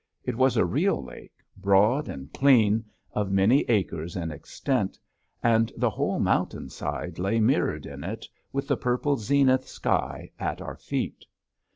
It was a real lake, broad and clean, of many acres in extent, and the whole mountain side lay mirrored in it with the purple zenith sky at our feet.